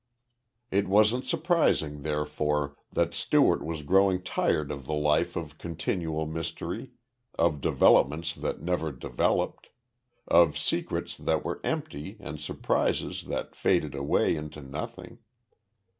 It wasn't surprising, therefore, that Stewart was growing tired of the life of continual mystery, of developments that never developed, of secrets that were empty and surprises that faded away into nothing.